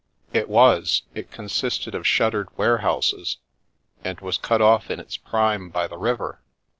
It was — it consisted of shuttered warehouses, and was cut off in its prime by the river.